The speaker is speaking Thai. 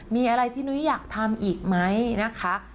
มีอะไรที่นุ้ยอยากทำอีกไหมนะคะ